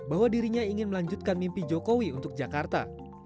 bahwa dirinya ingin melanjutkan mimpi jokowi untuk jakarta